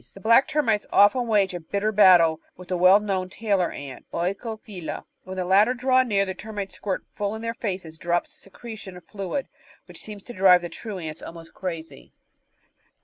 The Black Termites often wage a bitter battle with the well known Tailor ant, CEcophyUa; when the latter draw near the termites squirt full in their faces drops of a secretion or fluid which seems to drive the true Ants almost crazy.